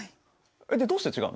でどうして違うの？